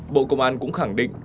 bộ công an cũng khẳng định